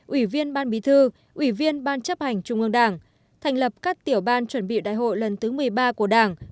ủy viên ban bí thư ủy viên ban chấp hành trung ương đảng thành lập các tiểu ban chuẩn bị đại hội lần thứ một mươi ba của đảng